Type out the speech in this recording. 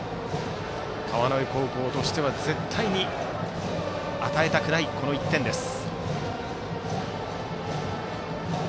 川之江高校としては絶対に与えたくないこの１点です。